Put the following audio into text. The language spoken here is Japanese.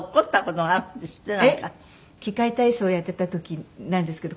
器械体操やってた時なんですけど。